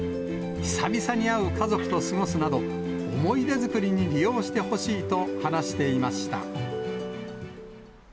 久々に会う家族と過ごすなど、思い出作りに利用してほしいと話していました。